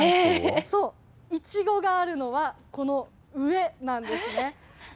そう、いちごがあるのはこの上なんですね。